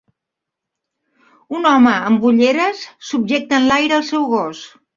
Un home amb ulleres subjecte enlaire el seu gos.